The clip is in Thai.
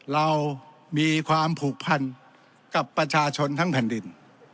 เรามีความผูกพันกับประชาชนทั้งแผ่นดิน